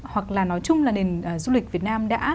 hoặc là nói chung là nền du lịch việt nam đã